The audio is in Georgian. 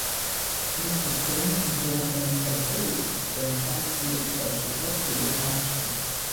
მიწის დონე იმდენად არის აწეული, რომ სარკმლები და შესასვლელი არ ჩანს.